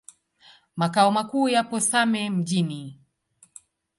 Makao makuu yapo Same Mjini.